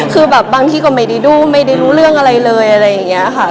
คือแบบบางทีก็ไม่ได้ดูไม่ได้รู้เรื่องอะไรเลยอะไรอย่างนี้ค่ะ